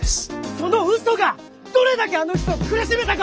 そのうそがどれだけあの人を苦しめたか！